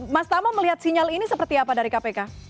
mas tama melihat sinyal ini seperti apa dari kpk